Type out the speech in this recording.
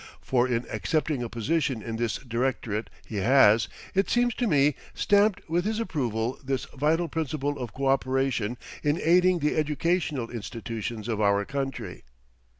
For in accepting a position in this directorate he has, it seems to me, stamped with his approval this vital principle of coöperation in aiding the educational institutions of our country.